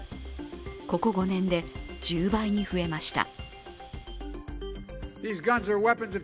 ここ５年で１０倍に増えました。